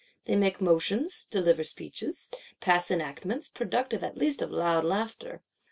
They make motions; deliver speeches; pass enactments; productive at least of loud laughter.